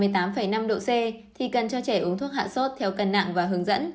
thì cần cho trẻ uống thuốc hạ sốt theo cân nặng và hướng dẫn